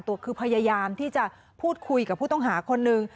ตัวคือพยายามที่จะพูดคุยกับผู้ต้องหาคนหนึ่ง